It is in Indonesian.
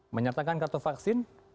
menyertakan kartu vaksin